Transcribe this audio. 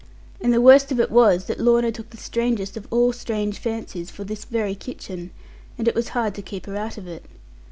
And the worst of it was that Lorna took the strangest of all strange fancies for this very kitchen; and it was hard to keep her out of it.